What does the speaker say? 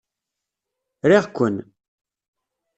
Riɣ-ken!